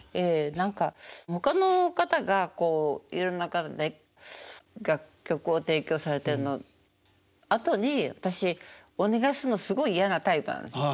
何かほかの方がいろんな方が楽曲を提供されてるのあとに私お願いするのすごい嫌なタイプなんですよ。